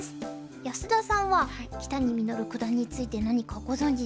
安田さんは木谷實九段について何かご存じですか？